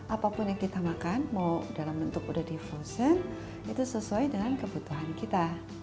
apapun yang kita makan mau dalam bentuk udah di frozen itu sesuai dengan kebutuhan kita